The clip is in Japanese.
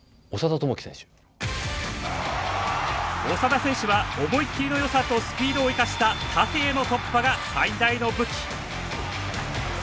長田選手は思い切りのよさとスピードを生かした縦への突破が最大の武器。